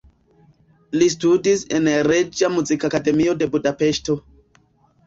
Li studis en Reĝa Muzikakademio de Budapeŝto.